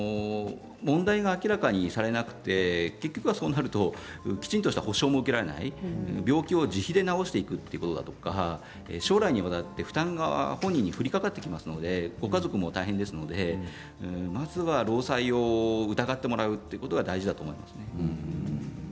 問題が明らかにされなくて結局は、そうなるときちんとした補償も受けられない病気を自費で治していくということだとか、将来にわたって負担が本人に降りかかってきますのでご家族も大変ですのでまずは労災を疑ってもらうということが大事だと思います。